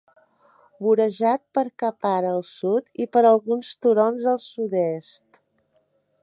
Vorejat per Kapar al sud i per alguns turons al sud-est.